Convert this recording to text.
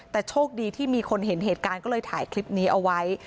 แต่โชคดีที่มีคนเห็นเหตุการณ์ก็เลยถ่ายคลิปนี้เอาไว้